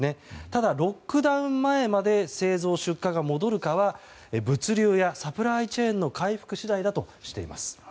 ただ、ロックダウン前まで製造・出荷が戻るかは物流やサプライチェーンの回復次第だとしています。